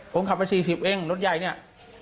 ผมขับไป๔๐เองรถใหญ่เนี่ย